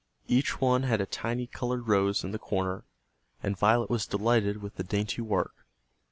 Each one had a tiny colored rose in the corner, and Violet was delighted with the dainty work.